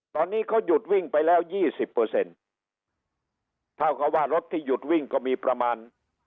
ตอนนี้เขาหยุดวิ่งไปแล้วยี่สิบเปอร์เซ็นต์เท่ากับว่ารถที่หยุดวิ่งก็มีประมาณ